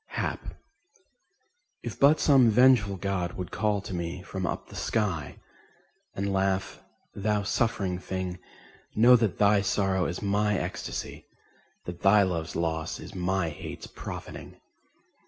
Hap If but some vengeful god would call to me From up the sky, and laugh: "Thou suffering thing, Know that thy sorrow is my ecstasy, That thy love's loss is my hate's profiting!"